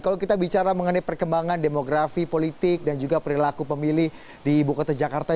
kalau kita bicara mengenai perkembangan demografi politik dan juga perilaku pemilih di ibu kota jakarta